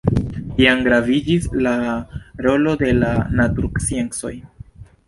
Tiam graviĝis la rolo de la natursciencoj.